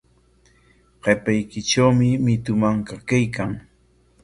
Qapaykitrawmi mitu manka kaykan.